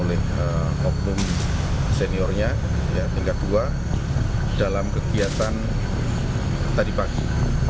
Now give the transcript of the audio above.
sesuai dengan ketentuan yang berlaku